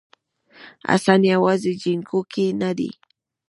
حسن یوازې جینکو کې نه دی